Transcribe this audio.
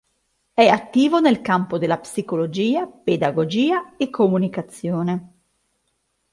È attivo nel campo della psicologia, pedagogia e comunicazione.